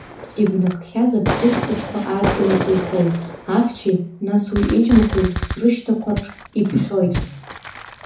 Ибнакхьаз абӷьыц хәыҷқәа адгьыл ахь еихоит, ахьчеи нас уи иџьмақәеи рышьҭақәарҿ иԥхьоит.